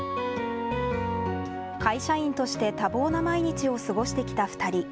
会社員として多忙な毎日を過ごしてきた２人。